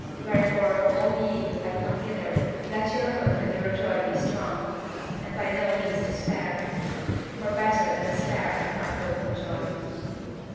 Wherefore, all ye who have come hither, let your hope and your joy be strong; and by no means despair, for better than despair are hope and joy.